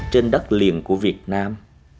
trên đất liền của việt nam